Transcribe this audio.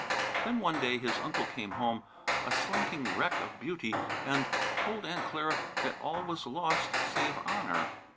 Then one day his uncle came home, a slinking wreck of beauty, and told Aunt Clara that all was lost save honour.